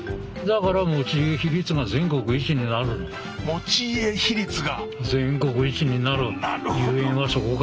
持ち家比率が！